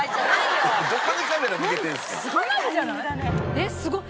えっすごっ！